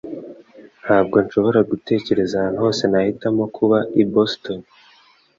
Ntabwo nshobora gutekereza ahantu hose nahitamo kuba i Boston.